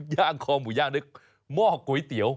ย่างคอหมูย่างด้วยหม้อก๋วยเตี๋ยว